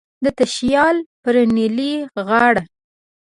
د تشیال پر نیلی غاړه